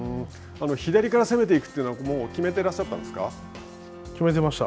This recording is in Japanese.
左から攻めていくのは決めてらっしゃったんですか。